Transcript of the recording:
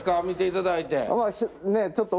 見ていただいて。